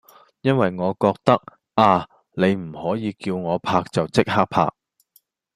因為我覺得呀你唔可以叫我拍就即刻拍